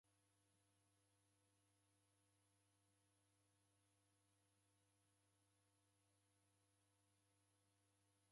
W'ikacha aha w'amazira ugho w'uya ghwa aja w'ifumie.